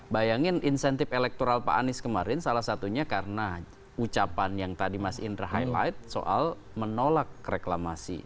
bayangin insentif elektoral pak anies kemarin salah satunya karena ucapan yang tadi mas indra highlight soal menolak reklamasi